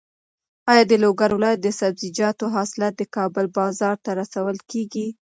ایا د لوګر ولایت د سبزیجاتو حاصلات د کابل بازار ته رسول کېږي؟